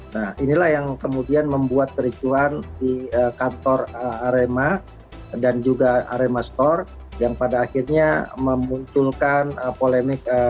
nah inilah yang kemudian membuat kericuan di kantor arema dan juga arema store yang pada akhirnya memunculkan polemik